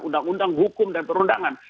undang undang hukum dan perundangan